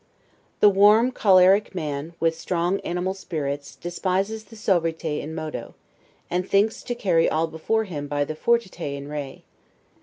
The warm, choleric man, with strong animal spirits, despises the 'suaviter in modo', and thinks to, carry all before him by the 'fortiter in re'.